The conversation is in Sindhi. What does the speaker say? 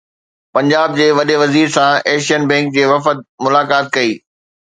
پنجاب جي وڏي وزير سان ايشين بئنڪ جي وفد ملاقات ڪئي